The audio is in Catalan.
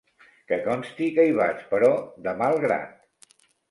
Que consti que hi vaig, però de mal grat.